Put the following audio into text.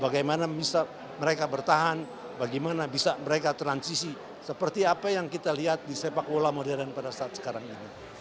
bagaimana bisa mereka bertahan bagaimana bisa mereka transisi seperti apa yang kita lihat di sepak bola modern pada saat sekarang ini